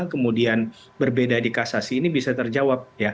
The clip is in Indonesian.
kemudian berbeda di kasasi ini bisa terjawab